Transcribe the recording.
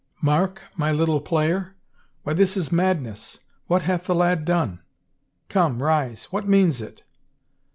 Mark, my little player? Why, this is madness — what hath the lad done ? Come, rise — what means it?"